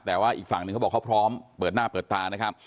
แต่ว่าอีกฝั่งหนึ่งเขาบอกเขาพร้อมเปิดหน้าเปิดตานะครับ